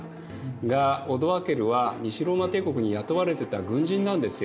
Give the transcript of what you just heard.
がオドアケルは西ローマ帝国に雇われてた軍人なんですよ。